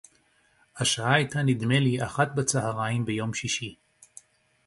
השעה היתה נדמה לי אחת בצהריים ביום שישי